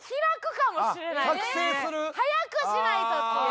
早くしないとっていう。